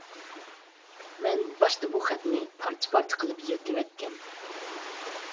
مەن باشتا بۇ خەتنى پارچە-پارچە قىلىپ يىرتىۋەتكەن.